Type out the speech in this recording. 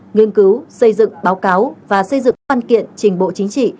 nghiên cứu xây dựng báo cáo và xây dựng văn kiện trình bộ chính trị